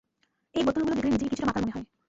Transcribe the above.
এই বোতলগুলো দেখলে নিজেকে কিছুটা মাতাল মনে হয়।